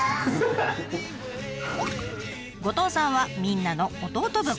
後藤さんはみんなの弟分。